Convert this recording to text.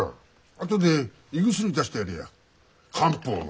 あとで胃薬出してやれや漢方の。